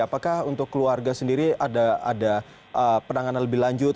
apakah untuk keluarga sendiri ada penanganan lebih lanjut